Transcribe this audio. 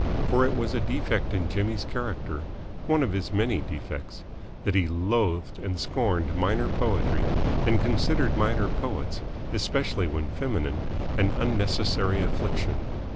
For it was a defect in Jimmy's character one of his many defects that he loathed and scorned minor poetry and considered minor poets, especially when feminine, an unnecessary affliction.